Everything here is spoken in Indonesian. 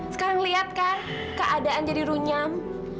sekarang lihat kah keadaan jadi runyam